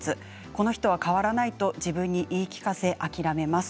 この人は変わらないと自分に言い聞かせ諦めます。